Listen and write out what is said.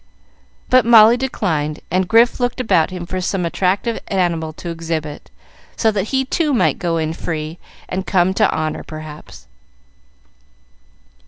But Molly declined, and Grif looked about him for some attractive animal to exhibit, so that he too might go in free and come to honor, perhaps.